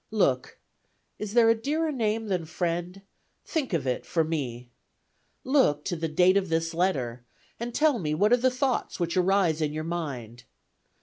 "Look (is there a dearer name than friend? Think of it for me), look to the date of this letter, and tell me what are the thoughts which arise in your mind.